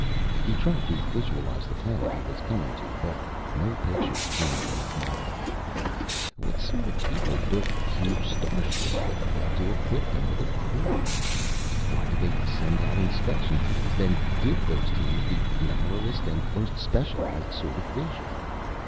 He tried to visualize the planet he was coming to, but no pictures formed in his mind. What sort of a people built huge starships but failed to equip them with a crew? Why did they send out inspection teams, then give those teams the narrowest and most specialized sort of vision?